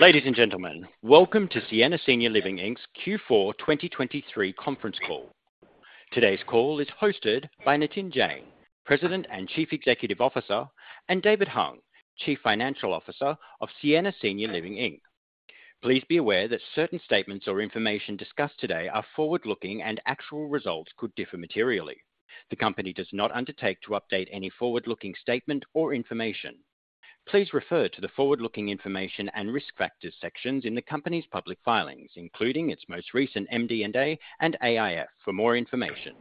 Ladies and gentlemen, welcome to Sienna Senior Living Inc's Q4 2023 conference call. Today's call is hosted by Nitin Jain, President and Chief Executive Officer, and David Hung, Chief Financial Officer of Sienna Senior Living Inc. Please be aware that certain statements or information discussed today are forward-looking and actual results could differ materially. The company does not undertake to update any forward-looking statement or information. Please refer to the forward-looking information and risk factors sections in the company's public filings, including its most recent MD&A and AIF, for more information.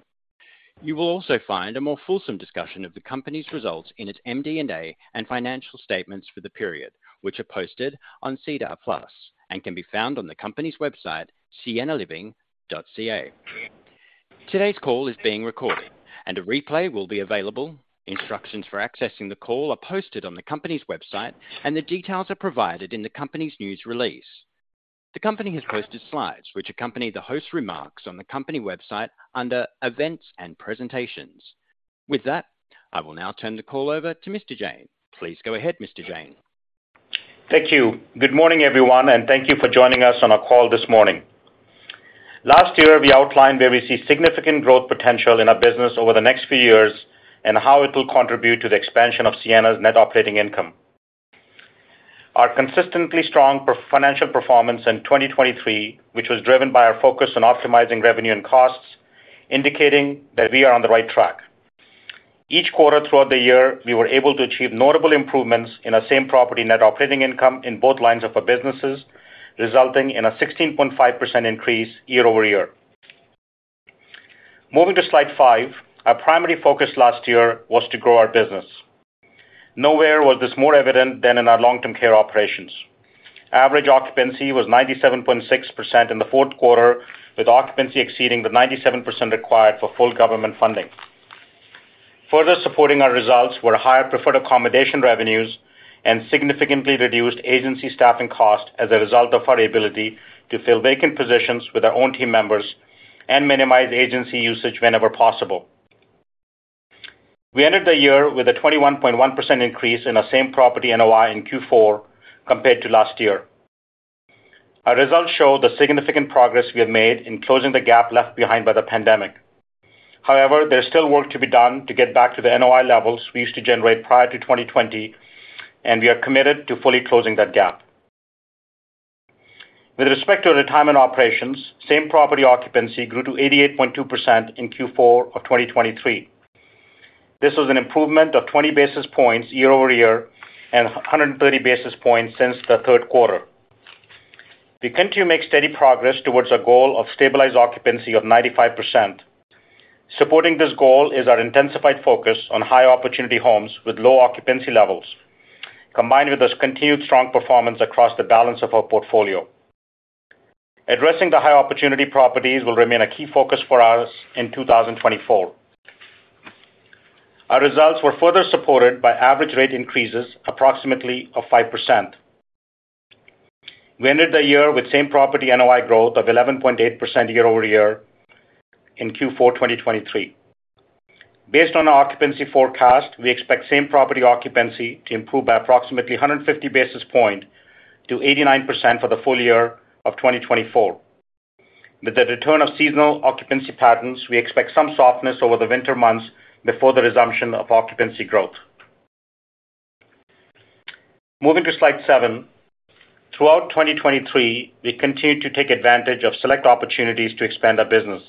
You will also find a more fulsome discussion of the company's results in its MD&A and financial statements for the period, which are posted on SEDAR+ and can be found on the company's website, siennaliving.ca. Today's call is being recorded, and a replay will be available. Instructions for accessing the call are posted on the company's website, and the details are provided in the company's news release. The company has posted slides which accompany the host's remarks on the company website under Events and Presentations. With that, I will now turn the call over to Mr. Jain. Please go ahead, Mr. Jain. Thank you. Good morning, everyone, and thank you for joining us on our call this morning. Last year, we outlined where we see significant growth potential in our business over the next few years and how it will contribute to the expansion of Sienna's net operating income. Our consistently strong financial performance in 2023, which was driven by our focus on optimizing revenue and costs, indicated that we are on the right track. Each quarter throughout the year, we were able to achieve notable improvements in our same property net operating income in both lines of our businesses, resulting in a 16.5% increase year-over-year. Moving to slide five, our primary focus last year was to grow our business. Nowhere was this more evident than in our Long-Term Care operations. Average occupancy was 97.6% in the fourth quarter, with occupancy exceeding the 97% required for full government funding. Further supporting our results were higher preferred accommodation revenues and significantly reduced agency staffing costs as a result of our ability to fill vacant positions with our own team members and minimize agency usage whenever possible. We ended the year with a 21.1% increase in our Same Property NOI in Q4 compared to last year. Our results show the significant progress we have made in closing the gap left behind by the pandemic. However, there's still work to be done to get back to the NOI levels we used to generate prior to 2020, and we are committed to fully closing that gap. With respect to retirement operations, same property occupancy grew to 88.2% in Q4 of 2023. This was an improvement of 20 basis points year-over-year and 130 basis points since the third quarter. We continue to make steady progress towards our goal of stabilized occupancy of 95%. Supporting this goal is our intensified focus on high-opportunity homes with low occupancy levels, combined with our continued strong performance across the balance of our portfolio. Addressing the high-opportunity properties will remain a key focus for us in 2024. Our results were further supported by average rate increases approximately of 5%. We ended the year with Same Property NOI growth of 11.8% year-over-year in Q4 2023. Based on our occupancy forecast, we expect same property occupancy to improve by approximately 150 basis points to 89% for the full year of 2024. With the return of seasonal occupancy patterns, we expect some softness over the winter months before the resumption of occupancy growth. Moving to slide seven, throughout 2023, we continued to take advantage of select opportunities to expand our business.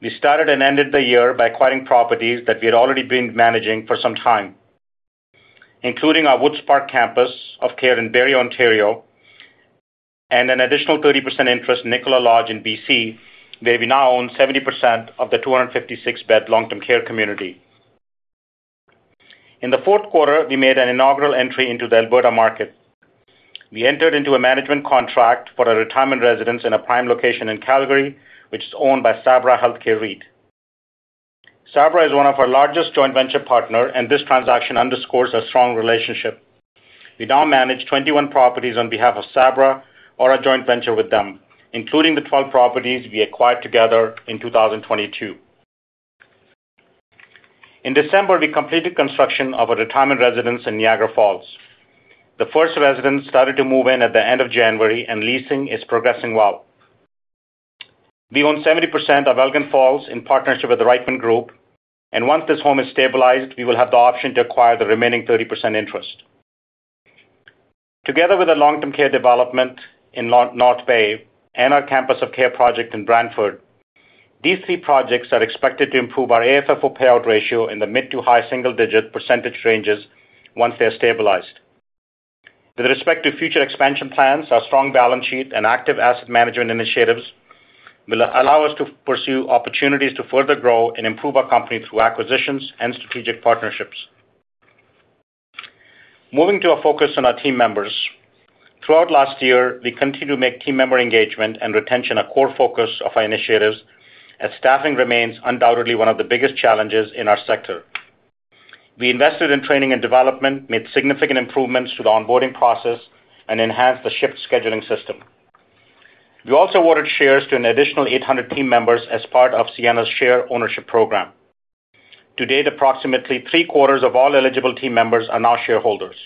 We started and ended the year by acquiring properties that we had already been managing for some time, including our Woods Park Campus of Care in Barrie, Ontario, and an additional 30% interest in Nicola Lodge in BC, where we now own 70% of the 256-bed Long-Term Care community. In the fourth quarter, we made an inaugural entry into the Alberta market. We entered into a management contract for a retirement residence in a prime location in Calgary, which is owned by Sabra Health Care REIT. Sabra is one of our largest joint venture partners, and this transaction underscores our strong relationship. We now manage 21 properties on behalf of Sabra or a joint venture with them, including the 12 properties we acquired together in 2022. In December, we completed construction of a retirement residence in Niagara Falls. The first residence started to move in at the end of January, and leasing is progressing well. We own 70% of Elgin Falls in partnership with the Riedman Group, and once this home is stabilized, we will have the option to acquire the remaining 30% interest. Together with our Long-Term Care development in North Bay and our campus of care project in Brantford, these three projects are expected to improve our AFFO payout ratio in the mid- to high single-digit % ranges once they are stabilized. With respect to future expansion plans, our strong balance sheet and active asset management initiatives will allow us to pursue opportunities to further grow and improve our company through acquisitions and strategic partnerships. Moving to our focus on our team members. Throughout last year, we continued to make team member engagement and retention a core focus of our initiatives, as staffing remains undoubtedly one of the biggest challenges in our sector. We invested in training and development, made significant improvements to the onboarding process, and enhanced the shift scheduling system. We also awarded shares to an additional 800 team members as part of Sienna's share ownership program. Today, approximately three-quarters of all eligible team members are now shareholders.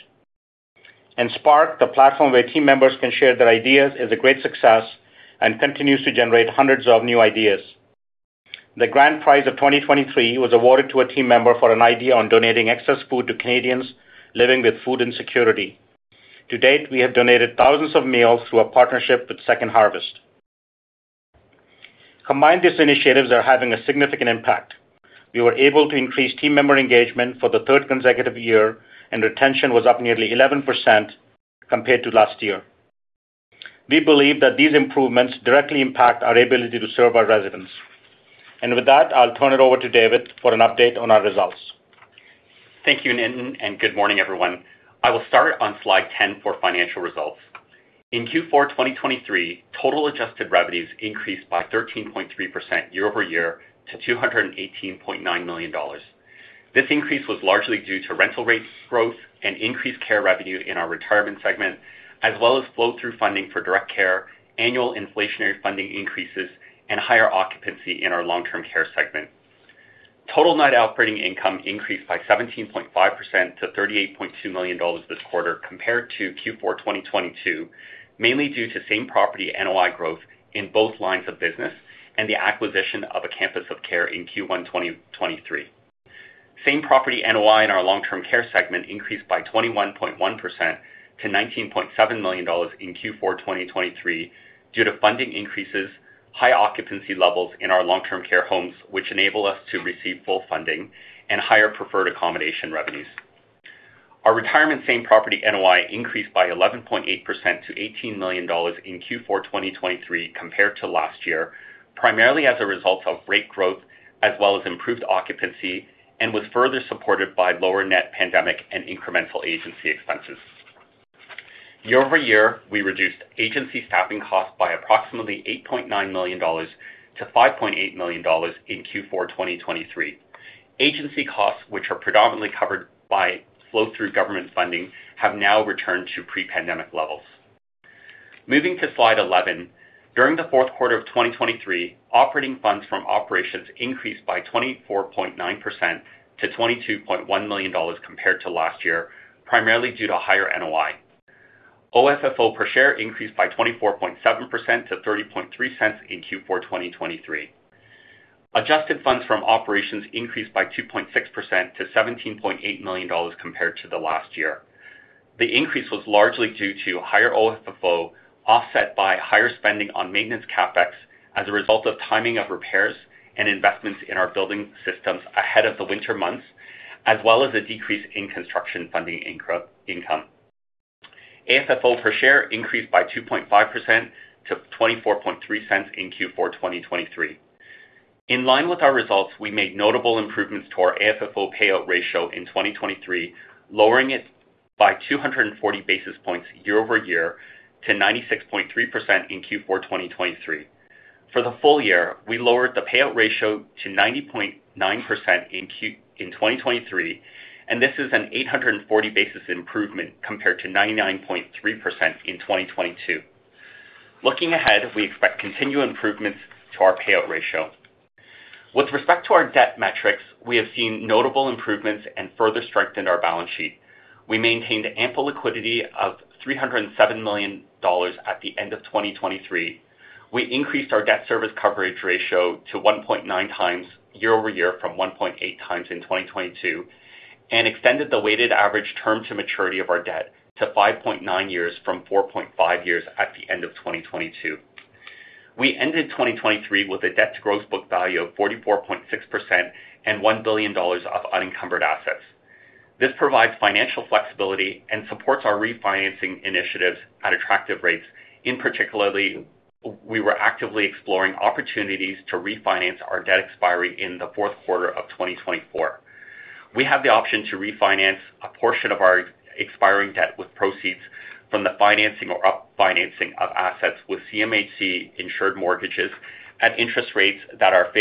In SPARK, the platform where team members can share their ideas, is a great success and continues to generate hundreds of new ideas. The Grand Prize of 2023 was awarded to a team member for an idea on donating excess food to Canadians living with food insecurity. To date, we have donated thousands of meals through a partnership with Second Harvest. Combined, these initiatives are having a significant impact. We were able to increase team member engagement for the third consecutive year, and retention was up nearly 11% compared to last year. We believe that these improvements directly impact our ability to serve our residents. With that, I'll turn it over to David for an update on our results. Thank you, Nitin, and good morning, everyone. I will start on slide 10 for financial results. In Q4 2023, total adjusted revenues increased by 13.3% year-over-year to 218.9 million dollars. This increase was largely due to rental rate growth and increased care revenue in our retirement segment, as well as flow-through funding for direct care, annual inflationary funding increases, and higher occupancy in our Long-Term Care segment. Total net operating income increased by 17.5% to 38.2 million dollars this quarter compared to Q4 2022, mainly due to Same Property NOI growth in both lines of business and the acquisition of a campus of care in Q1 2023. Same Property NOI in our Long-Term Care segment increased by 21.1% to 19.7 million dollars in Q4 2023 due to funding increases, high occupancy levels in our Long-Term Care Homes, which enable us to receive full funding, and higher preferred accommodation revenues. Our retirement Same Property NOI increased by 11.8% to 18 million dollars in Q4 2023 compared to last year, primarily as a result of rate growth as well as improved occupancy, and was further supported by lower net pandemic and incremental agency expenses. Year-over-year, we reduced agency staffing costs by approximately 8.9 million dollars to 5.8 million dollars in Q4 2023. Agency costs, which are predominantly covered by flow-through government funding, have now returned to pre-pandemic levels. Moving to slide 11. During the fourth quarter of 2023, operating funds from operations increased by 24.9% to 22.1 million dollars compared to last year, primarily due to higher NOI. OFFO per share increased by 24.7% to 0.303 in Q4 2023. Adjusted funds from operations increased by 2.6% to 17.8 million dollars compared to the last year. The increase was largely due to higher OFFO offset by higher spending on maintenance CapEx as a result of timing of repairs and investments in our building systems ahead of the winter months, as well as a decrease in construction funding income. AFFO per share increased by 2.5% to 0.243 in Q4 2023. In line with our results, we made notable improvements to our AFFO payout ratio in 2023, lowering it by 240 basis points year-over-year to 96.3% in Q4 2023. For the full year, we lowered the payout ratio to 90.9% in 2023, and this is an 840 basis improvement compared to 99.3% in 2022. Looking ahead, we expect continue improvements to our payout ratio. With respect to our debt metrics, we have seen notable improvements and further strengthened our balance sheet. We maintained ample liquidity of 307 million dollars at the end of 2023. We increased our debt service coverage ratio to 1.9x year-over-year from 1.8x in 2022, and extended the weighted average term to maturity of our debt to 5.9 years from 4.5 years at the end of 2022. We ended 2023 with a debt to gross book value of 44.6% and 1 billion dollars of unencumbered assets. This provides financial flexibility and supports our refinancing initiatives at attractive rates. In particular, we were actively exploring opportunities to refinance our debt expiry in the fourth quarter of 2024. We have the option to refinance a portion of our expiring debt with proceeds from the financing or upfinancing of assets with CMHC insured mortgages at interest rates that are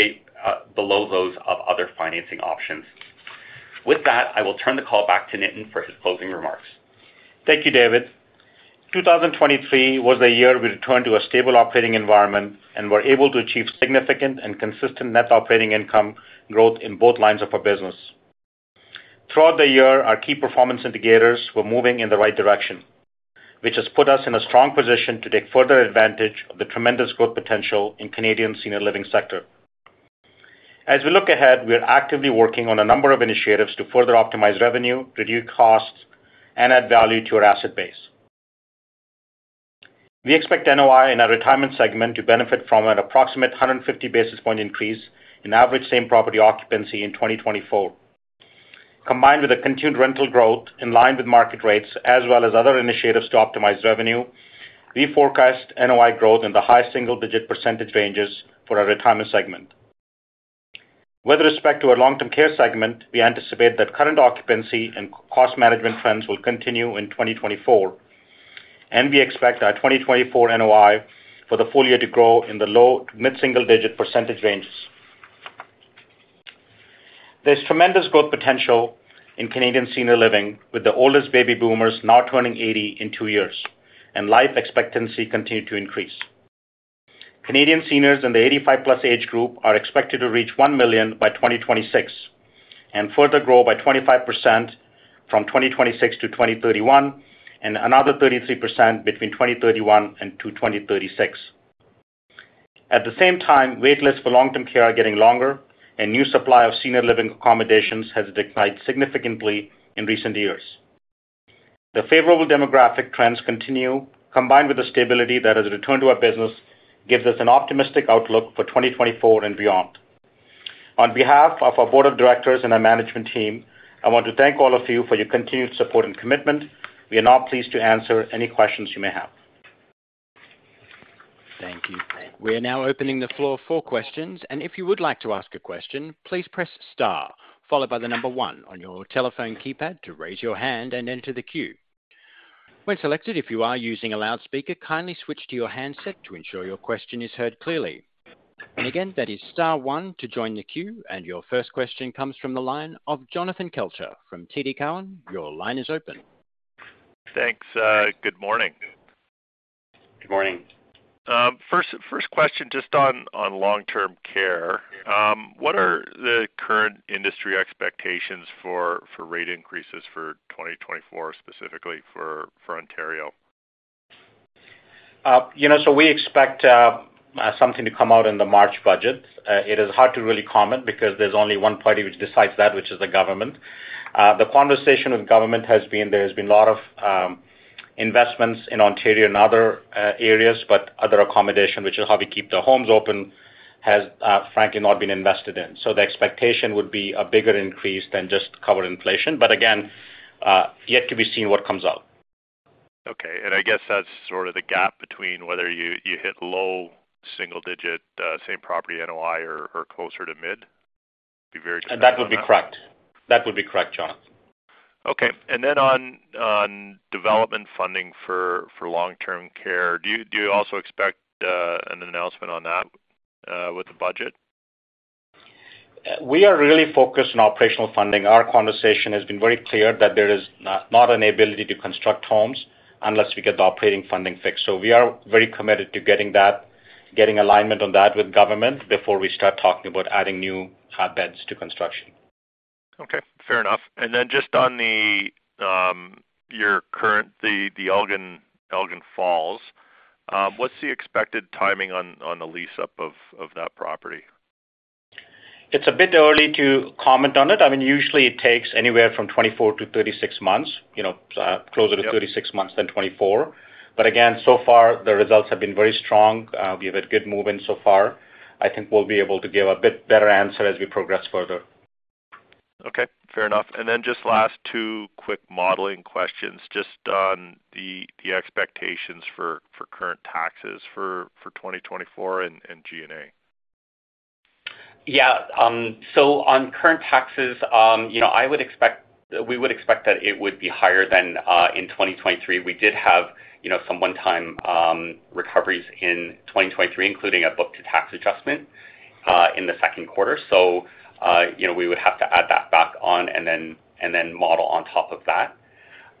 below those of other financing options. With that, I will turn the call back to Nitin for his closing remarks. Thank you, David. 2023 was a year we returned to a stable operating environment and were able to achieve significant and consistent net operating income growth in both lines of our business. Throughout the year, our key performance indicators were moving in the right direction, which has put us in a strong position to take further advantage of the tremendous growth potential in Canadian senior living sector. As we look ahead, we are actively working on a number of initiatives to further optimize revenue, reduce costs, and add value to our asset base. We expect NOI in our retirement segment to benefit from an approximate 150 basis point increase in average same property occupancy in 2024. Combined with the continued rental growth in line with market rates as well as other initiatives to optimize revenue, we forecast NOI growth in the high single-digit percentage ranges for our retirement segment. With respect to our Long-Term Care segment, we anticipate that current occupancy and cost management trends will continue in 2024, and we expect our 2024 NOI for the full year to grow in the low- to mid-single-digit percentage ranges. There's tremendous growth potential in Canadian senior living, with the oldest baby boomers now turning 80 in two years, and life expectancy continued to increase. Canadian seniors in the 85+ age group are expected to reach 1 million by 2026 and further grow by 25% from 2026 to 2031 and another 33% between 2031 and 2036. At the same time, wait lists for Long-Term Care are getting longer, and new supply of senior living accommodations has declined significantly in recent years. The favorable demographic trends continue, combined with the stability that has returned to our business, gives us an optimistic outlook for 2024 and beyond. On behalf of our board of directors and our management team, I want to thank all of you for your continued support and commitment. We are now pleased to answer any questions you may have. Thank you. We are now opening the floor for questions, and if you would like to ask a question, please press star, followed by the number one on your telephone keypad to raise your hand and enter the queue. When selected, if you are using a loudspeaker, kindly switch to your handset to ensure your question is heard clearly. Again, that is star one to join the queue, and your first question comes from the line of Jonathan Kelcher from TD Cowen. Your line is open. Thanks. Good morning. Good morning. First question, just on Long-Term Care. What are the current industry expectations for rate increases for 2024, specifically for Ontario? So we expect something to come out in the March budget. It is hard to really comment because there's only one party which decides that, which is the government. The conversation with government has been. There has been a lot of investments in Ontario and other areas, but other accommodation, which is how we keep the homes open, has frankly not been invested in. So the expectation would be a bigger increase than just cover inflation. But again, yet to be seen what comes out. Okay. And I guess that's sort of the gap between whether you hit low single-digit Same Property NOI or closer to mid. Be very concerned. That would be correct. That would be correct, Jonathan. Okay. And then on development funding for Long-Term Care, do you also expect an announcement on that with the budget? We are really focused on operational funding. Our conversation has been very clear that there is not an ability to construct homes unless we get the operating funding fixed. So we are very committed to getting alignment on that with government before we start talking about adding new beds to construction. Okay. Fair enough. And then just on your current the Elgin Falls, what's the expected timing on the lease-up of that property? It's a bit early to comment on it. I mean, usually, it takes anywhere from 24-36 months, closer to 36 months than 24. But again, so far, the results have been very strong. We have had good movement so far. I think we'll be able to give a bit better answer as we progress further. Okay. Fair enough. And then just last two quick modeling questions, just on the expectations for current taxes for 2024 and G&A. Yeah. So on current taxes, I would expect that it would be higher than in 2023. We did have some one-time recoveries in 2023, including a book-to-tax adjustment in the second quarter. So we would have to add that back on and then model on top of that.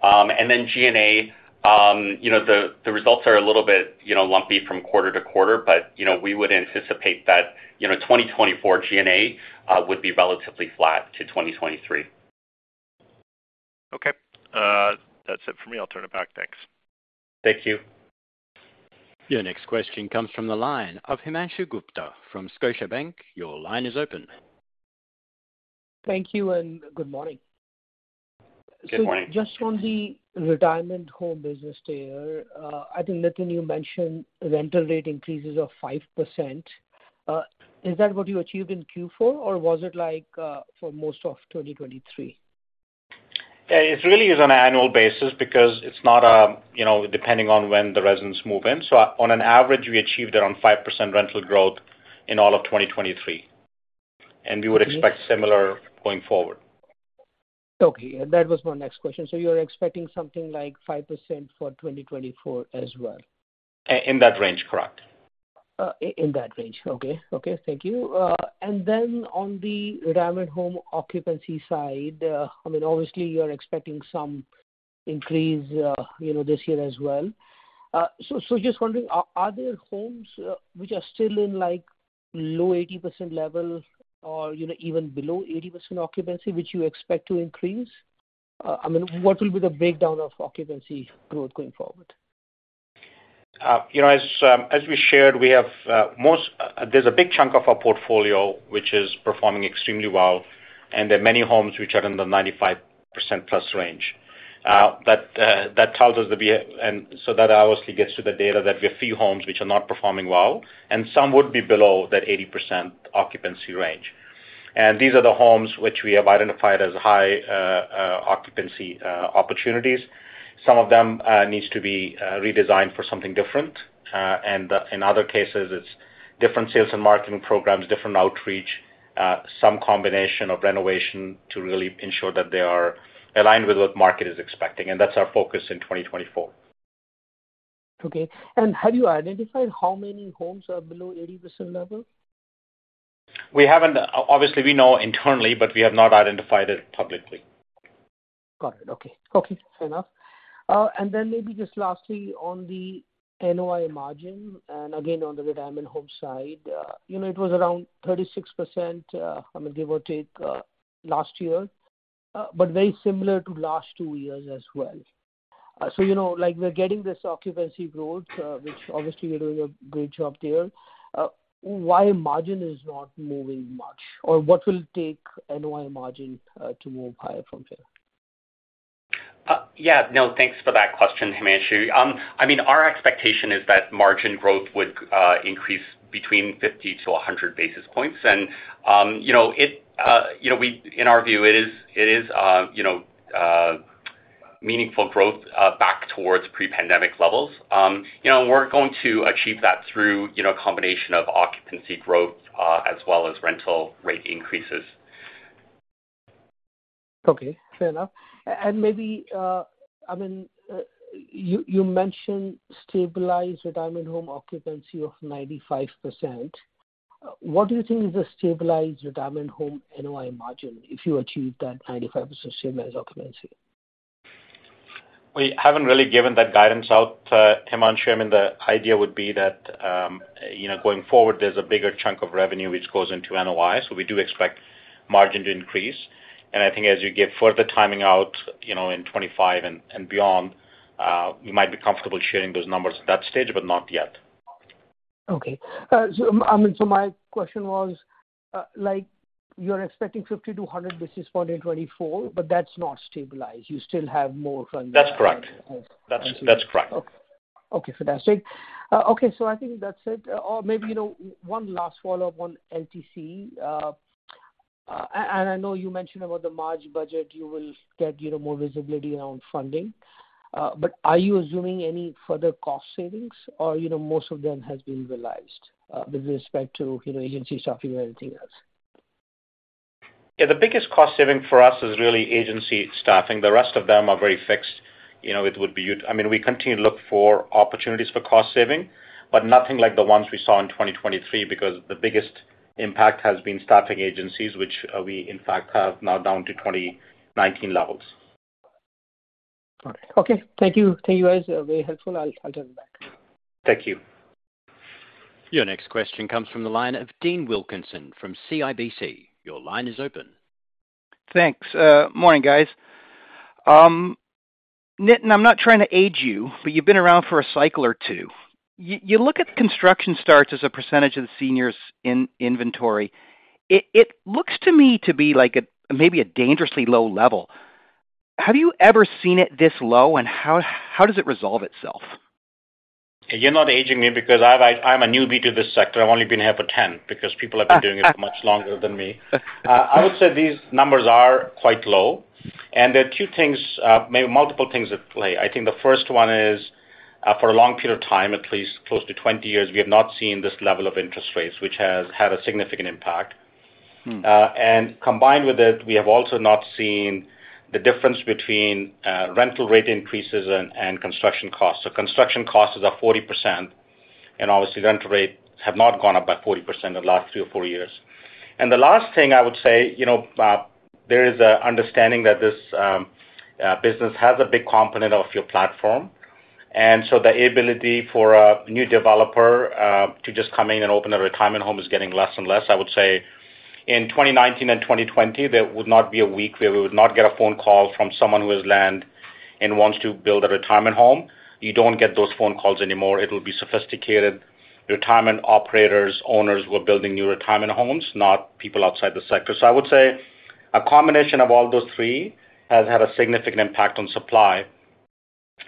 And then G&A, the results are a little bit lumpy from quarter to quarter, but we would anticipate that 2024 G&A would be relatively flat to 2023. Okay. That's it for me. I'll turn it back. Thanks. Thank you. Your next question comes from the line of Himanshu Gupta from Scotiabank. Your line is open. Thank you and good morning. Good morning. Just on the retirement home business here, I think, Nitin, you mentioned rental rate increases of 5%. Is that what you achieved in Q4, or was it for most of 2023? Yeah. It really is on an annual basis because it's not depending on when the residents move in. So on an average, we achieved around 5% rental growth in all of 2023, and we would expect similar going forward. Okay. That was my next question. So you're expecting something like 5% for 2024 as well? In that range. Correct. In that range. Okay. Okay. Thank you. And then on the retirement home occupancy side, I mean, obviously, you're expecting some increase this year as well. So just wondering, are there homes which are still in low 80% level or even below 80% occupancy which you expect to increase? I mean, what will be the breakdown of occupancy growth going forward? As we shared, there's a big chunk of our portfolio which is performing extremely well, and there are many homes which are in the 95%+ range. That tells us that we have, and so that obviously gets to the data that we have few homes which are not performing well, and some would be below that 80% occupancy range. These are the homes which we have identified as high occupancy opportunities. Some of them need to be redesigned for something different. In other cases, it's different sales and marketing programs, different outreach, some combination of renovation to really ensure that they are aligned with what the market is expecting. That's our focus in 2024. Okay. Have you identified how many homes are below 80% level? Obviously, we know internally, but we have not identified it publicly. Got it. Okay. Okay. Fair enough. And then maybe just lastly, on the NOI margin and again, on the retirement home side, it was around 36%, I mean, give or take, last year, but very similar to last two years as well. So we're getting this occupancy growth, which obviously, you're doing a great job there. Why margin is not moving much, or what will take NOI margin to move higher from here? Yeah. No, thanks for that question, Himanshu. I mean, our expectation is that margin growth would increase between 50-100 basis points. In our view, it is meaningful growth back towards pre-pandemic levels. We're going to achieve that through a combination of occupancy growth as well as rental rate increases. Okay. Fair enough. And maybe, I mean, you mentioned stabilized retirement home occupancy of 95%. What do you think is a stabilized retirement home NOI margin if you achieve that 95% stabilized occupancy? We haven't really given that guidance out, Himanshu. I mean, the idea would be that going forward, there's a bigger chunk of revenue which goes into NOI, so we do expect margin to increase. And I think as you give further timing out in 2025 and beyond, we might be comfortable sharing those numbers at that stage, but not yet. Okay. I mean, so my question was, you're expecting 50-100 basis points in 2024, but that's not stabilized. You still have more funding. That's correct. That's correct. Okay. Okay. Fantastic. Okay. So I think that's it. Or maybe one last follow-up on LTC. And I know you mentioned about the March budget. You will get more visibility around funding. But are you assuming any further cost savings, or most of them has been realized with respect to agency staffing or anything else? Yeah. The biggest cost saving for us is really agency staffing. The rest of them are very fixed. It would be I mean, we continue to look for opportunities for cost saving, but nothing like the ones we saw in 2023 because the biggest impact has been staffing agencies, which we, in fact, have now down to 2019 levels. Got it. Okay. Thank you. Thank you guys. Very helpful. I'll turn it back. Thank you. Your next question comes from the line of Dean Wilkinson from CIBC. Your line is open. Thanks. Morning, guys. Nitin, I'm not trying to aid you, but you've been around for a cycle or two. You look at construction starts as a percentage of the seniors' inventory. It looks to me to be maybe a dangerously low level. Have you ever seen it this low, and how does it resolve itself? You're not aging me because I'm a newbie to this sector. I've only been here for 10 because people have been doing it for much longer than me. I would say these numbers are quite low. There are two things, maybe multiple things, at play. I think the first one is, for a long period of time, at least close to 20 years, we have not seen this level of interest rates, which has had a significant impact. Combined with it, we have also not seen the difference between rental rate increases and construction costs. So construction costs are 40%, and obviously, rental rates have not gone up by 40% in the last three or four years. The last thing I would say, there is an understanding that this business has a big component of your platform. And so the ability for a new developer to just come in and open a retirement home is getting less and less. I would say in 2019 and 2020, there would not be a week where we would not get a phone call from someone who has land and wants to build a retirement home. You don't get those phone calls anymore. It will be sophisticated retirement operators, owners who are building new retirement homes, not people outside the sector. So I would say a combination of all those three has had a significant impact on supply.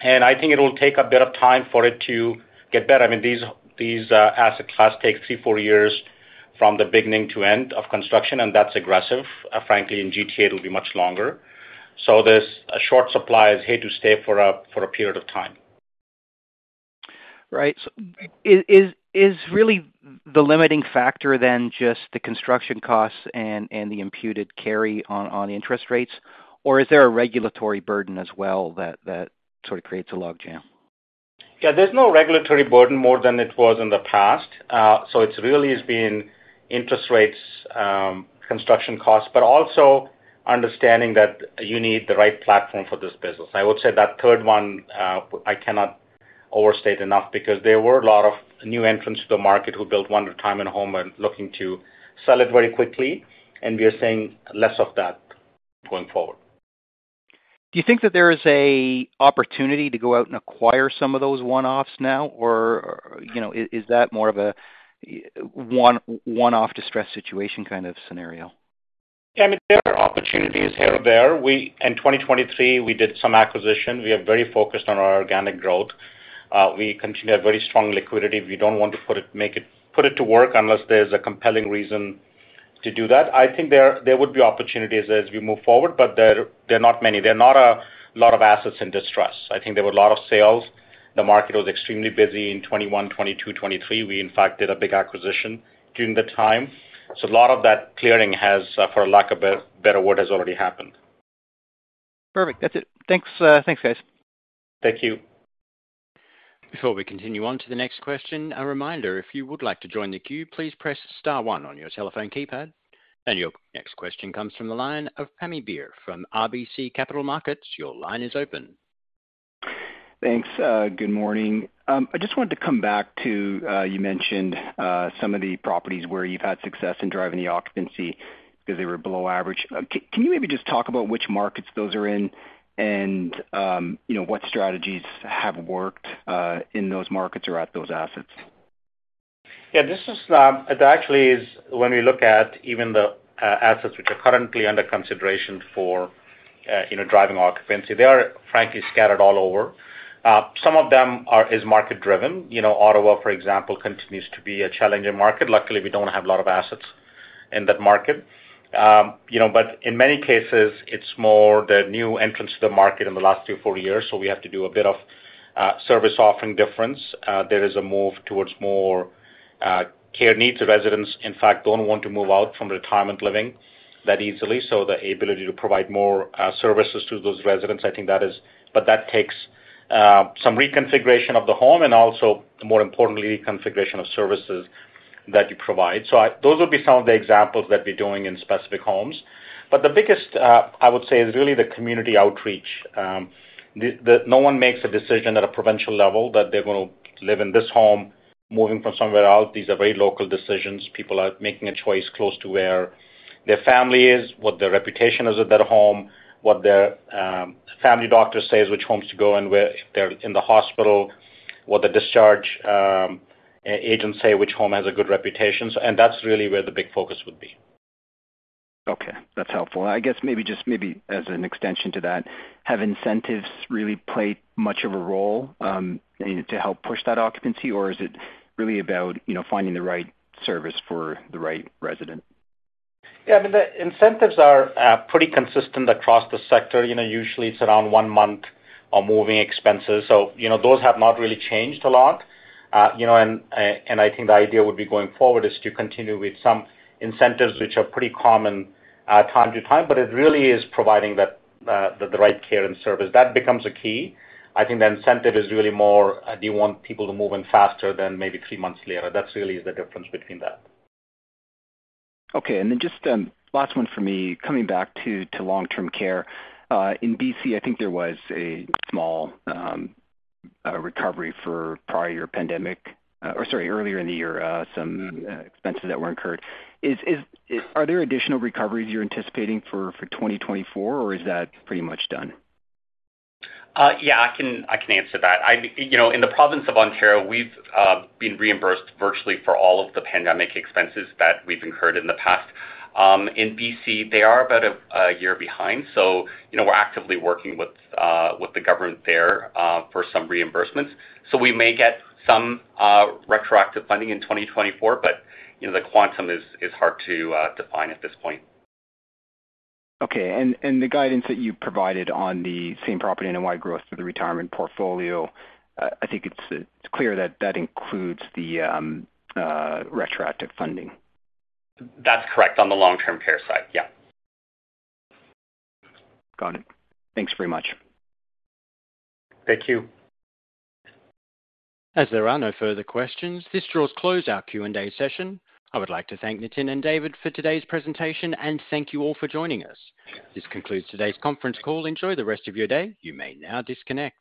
And I think it will take a bit of time for it to get better. I mean, these asset classes take three to four years from the beginning to end of construction, and that's aggressive. Frankly, in GTA, it'll be much longer. A short supply is here to stay for a period of time. Right. So is really the limiting factor then just the construction costs and the imputed carry on interest rates, or is there a regulatory burden as well that sort of creates a log jam? Yeah. There's no regulatory burden more than it was in the past. So it's really been interest rates, construction costs, but also understanding that you need the right platform for this business. I would say that third one, I cannot overstate enough because there were a lot of new entrants to the market who built one retirement home and looking to sell it very quickly. We are seeing less of that going forward. Do you think that there is an opportunity to go out and acquire some of those one-offs now, or is that more of a one-off distress situation kind of scenario? Yeah. I mean, there are opportunities here and there. In 2023, we did some acquisition. We are very focused on our organic growth. We continue to have very strong liquidity. We don't want to put it to work unless there's a compelling reason to do that. I think there would be opportunities as we move forward, but there are not many. There are not a lot of assets in distress. I think there were a lot of sales. The market was extremely busy in 2021, 2022, 2023. We, in fact, did a big acquisition during that time. So a lot of that clearing, for lack of a better word, has already happened. Perfect. That's it. Thanks, guys. Thank you. Before we continue on to the next question, a reminder, if you would like to join the queue, please press star one on your telephone keypad. Your next question comes from the line of Pammi Bir from RBC Capital Markets. Your line is open. Thanks. Good morning. I just wanted to come back to you mentioned some of the properties where you've had success in driving the occupancy because they were below average. Can you maybe just talk about which markets those are in and what strategies have worked in those markets or at those assets? Yeah. It actually is when we look at even the assets which are currently under consideration for driving occupancy, they are, frankly, scattered all over. Some of them are market-driven. Ottawa, for example, continues to be a challenging market. Luckily, we don't have a lot of assets in that market. But in many cases, it's more the new entrants to the market in the last three or four years. So we have to do a bit of service offering difference. There is a move towards more care needs. Residents, in fact, don't want to move out from retirement living that easily. So the ability to provide more services to those residents, I think that is but that takes some reconfiguration of the home and also, more importantly, reconfiguration of services that you provide. So those would be some of the examples that we're doing in specific homes. But the biggest, I would say, is really the community outreach. No one makes a decision at a provincial level that they're going to live in this home moving from somewhere else. These are very local decisions. People are making a choice close to where their family is, what their reputation is at that home, what their family doctor says which homes to go and where if they're in the hospital, what the discharge agents say which home has a good reputation. And that's really where the big focus would be. Okay. That's helpful. I guess maybe just maybe as an extension to that, have incentives really played much of a role to help push that occupancy, or is it really about finding the right service for the right resident? Yeah. I mean, the incentives are pretty consistent across the sector. Usually, it's around 1-month or moving expenses. So those have not really changed a lot. I think the idea would be going forward is to continue with some incentives which are pretty common time to time, but it really is providing the right care and service. That becomes a key. I think the incentive is really more, "Do you want people to move in faster than maybe 3 months later?" That really is the difference between that. Okay. And then just last one for me, coming back to Long-Term Care. In BC, I think there was a small recovery for prior year pandemic or sorry, earlier in the year, some expenses that were incurred. Are there additional recoveries you're anticipating for 2024, or is that pretty much done? Yeah. I can answer that. In the province of Ontario, we've been reimbursed virtually for all of the pandemic expenses that we've incurred in the past. In BC, they are about a year behind. So we're actively working with the government there for some reimbursements. So we may get some retroactive funding in 2024, but the quantum is hard to define at this point. Okay. The guidance that you provided on the same-property NOI growth for the retirement portfolio, I think it's clear that that includes the retroactive funding. That's correct on the Long-Term Care side. Yeah. Got it. Thanks very much. Thank you. As there are no further questions, this draws close our Q&A session. I would like to thank Nitin and David for today's presentation, and thank you all for joining us. This concludes today's conference call. Enjoy the rest of your day. You may now disconnect.